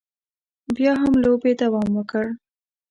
بیا هم لوبې دوام وکړ.